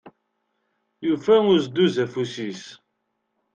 Yufa uzduz afus-is.